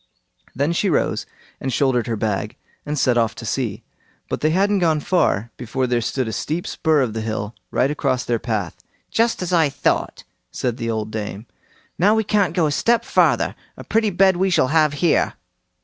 Then she rose and shouldered her bag, and set off to see; but they hadn't gone far, before there stood a steep spur of the hill, right across their path. "Just as I thought!" said the old dame; "now we can't go a step farther; a pretty bed we shall have here!"